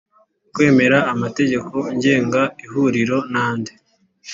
Kwemera amategeko ngenga Ihuriro n andi